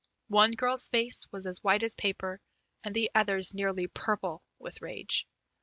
One girl's face was as white as paper, and the other's nearly purple with rage.